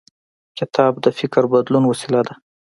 کتاب د فکر بدلون وسیله ده.